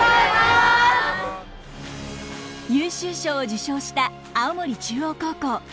優秀賞を受賞した青森中央高校。